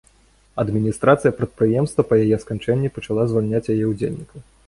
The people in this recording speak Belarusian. Адміністрацыя прадпрыемства па яе сканчэнні пачала звальняць яе ўдзельнікаў.